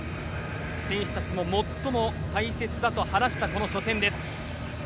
選手たちも最も大切だと話したこの初戦です。